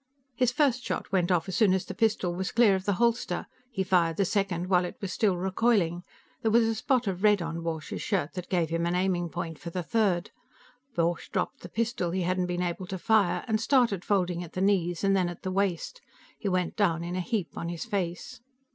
His first shot went off as soon as the pistol was clear of the holster. He fired the second while it was still recoiling; there was a spot of red on Borch's shirt that gave him an aiming point for the third. Borch dropped the pistol he hadn't been able to fire, and started folding at the knees and then at the waist. He went down in a heap on his face.